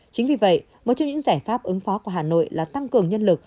chính vì vậy một trong những giải pháp ứng phó của hà nội là tăng cường nhân lực